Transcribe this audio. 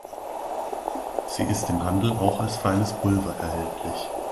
Sie ist im Handel auch als feines Pulver erhältlich.